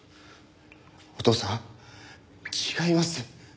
お義父さん違います。